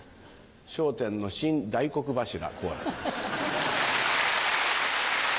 『笑点』の新大黒柱好楽です。